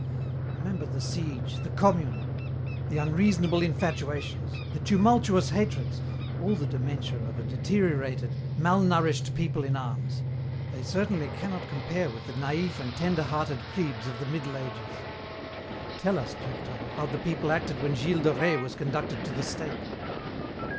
Remember the Siege, the Commune; the unreasonable infatuations, the tumultuous hatreds, all the dementia of a deteriorated, malnourished people in arms. They certainly cannot compare with the naïf and tender hearted plebes of the Middle Ages. Tell us, Durtal, how the people acted when Gilles de Rais was conducted to the stake."